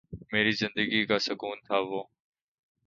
میری زندگی کا سکون تھا وہ